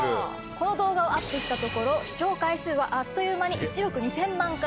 この動画をアップしたところ視聴回数はあっという間に１億２０００万回超え。